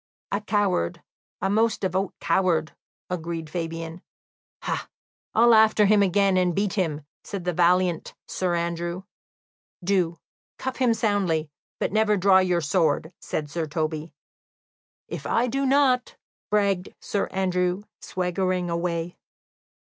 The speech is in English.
"A coward a most devout coward," agreed Fabian. "Ha, I'll after him again, and beat him," said the valiant Sir Andrew. "Do, cuff him soundly, but never draw your sword," said Sir Toby. "If I do not " bragged Sir Andrew, swaggering away.